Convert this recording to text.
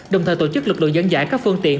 đồng thời tổ chức lực lượng dẫn giải các phương tiện